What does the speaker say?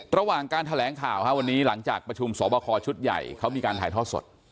ระหว่างการแถลงข่าววันนี้หลังจากประชุมสอบคอชุดใหญ่เขามีการถ่ายทอดสด